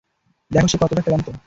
দেখো সে কতটা ক্লান্ত।